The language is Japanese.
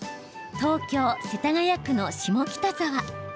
東京・世田谷区の下北沢。